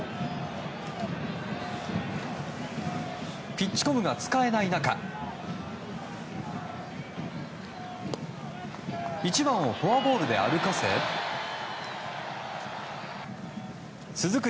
ピッチコムが使えない中１番をフォアボールで歩かせ続く